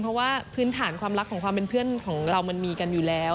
เพราะว่าพื้นฐานความรักของความเป็นเพื่อนของเรามันมีกันอยู่แล้ว